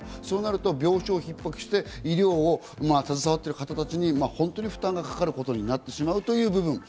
そうなると病床が逼迫して医療に携わっている方たちに本当に負担がかかることになってしまうという部分。